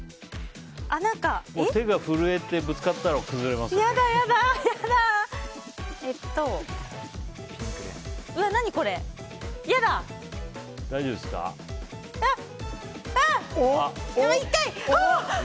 手が震えてぶつかったら崩れますよ。